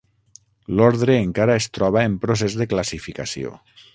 L'ordre encara es troba en procés de classificació.